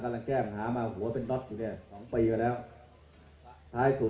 เมืองอัศวินธรรมดาคือสถานที่สุดท้ายของเมืองอัศวินธรรมดา